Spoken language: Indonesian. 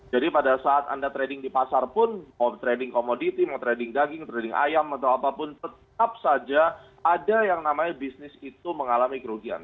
jadi pada saat anda trading di pasar pun trading komoditi trading daging trading ayam atau apapun tetap saja ada yang namanya bisnis itu mengalami kerugian